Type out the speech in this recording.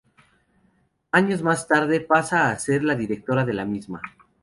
Años más tarde pasa a ser la Directora de la misma.